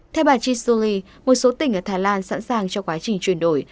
theo bà chisuli một số tỉnh ở thái lan sẵn sàng cho quá trình truyền đổi